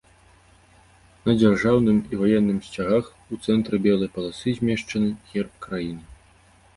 На дзяржаўным і ваенным сцягах у цэнтры белай паласы змешчаны герб краіны.